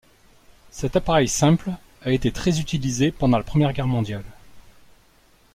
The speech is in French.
Cet appareil simple a été très utilisé pendant la Première Guerre mondiale.